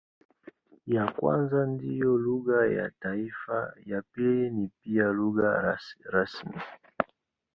Ya kwanza ndiyo lugha ya taifa, ya pili ni pia lugha rasmi.